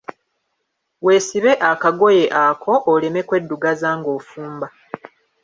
Weesibe akagoye ako oleme kweddugaza ng'ofumba.